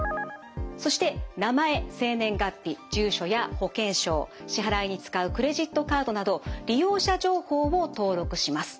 そして名前生年月日住所や保険証支払いに使うクレジットカードなど利用者情報を登録します。